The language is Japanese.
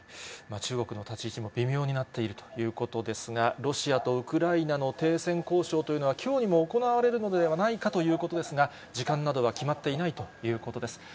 中国の立ち位置も微妙になっているということですが、ロシアとウクライナの停戦交渉というのはきょうにも行われるのではないかということですが、時間などは決まっていないということです。